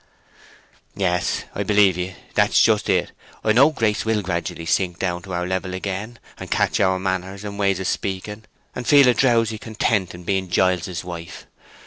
"Yes, I believe ye. That's just it. I know Grace will gradually sink down to our level again, and catch our manners and way of speaking, and feel a drowsy content in being Giles's wife.